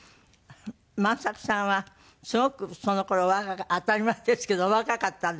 万作さんはすごくその頃は当たり前ですけどお若かったんで。